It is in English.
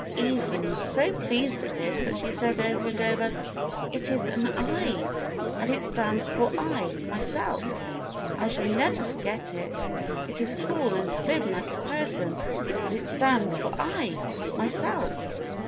Evelyn was so pleased at this that she said, over and over: "It is an 7, and it stands for I, myself. I shall never forget it. It is tall and slim like a person, and it stands for I, myself."